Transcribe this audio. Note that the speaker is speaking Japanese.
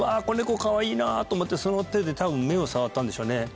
子猫かわいいなと思ってその手で多分目を触ったんでしょうね